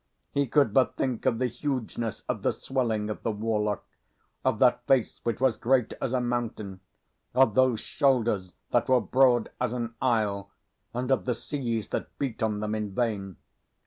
He could but think of the hugeness of the swelling of the warlock, of that face which was great as a mountain, of those shoulders that were broad as an isle, and of the seas that beat on them in vain.